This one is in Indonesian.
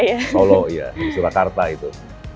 di solo iya di surakarta itu